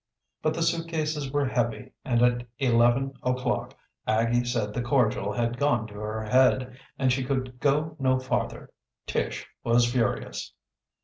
But the suitcases were heavy, and at eleven o'clock Aggie said the cordial had gone to her head and she could go no farther. Tish was furious.